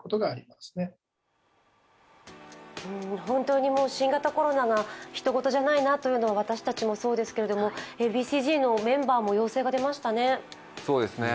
本当に新型コロナがひと事じゃないなというのは、私たちもそうですけど、Ａ．Ｂ．Ｃ−Ｚのメンバーも陽性が出ましたね。